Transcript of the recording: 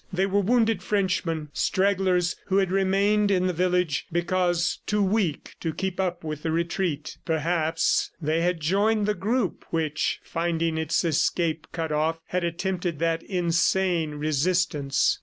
They were wounded Frenchmen, stragglers who had remained in the village because too weak to keep up with the retreat. Perhaps they had joined the group which, finding its escape cut off, had attempted that insane resistance.